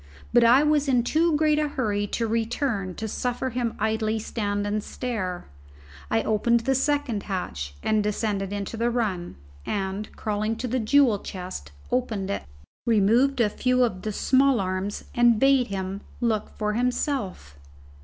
But I was in too great a hurry to return to suffer him to idly stand and stare. I opened the second hatch and descended into the run, and crawling to the jewel chest opened it, removed a few of the small arms, and bade him look for himself.